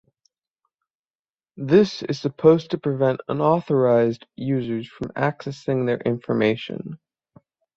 This is supposed to prevent unauthorized users from accessing their information.